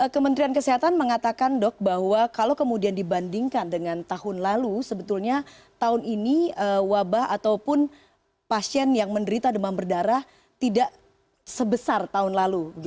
kementerian kesehatan mengatakan dok bahwa kalau kemudian dibandingkan dengan tahun lalu sebetulnya tahun ini wabah ataupun pasien yang menderita demam berdarah tidak sebesar tahun lalu